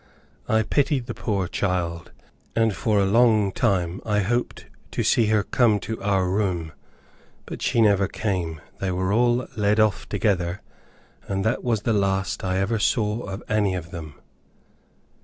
I pitied the poor child, and for a long time I hoped to see her come to our room; but she never came. They were all led off together, and that was the last I ever saw of any of them.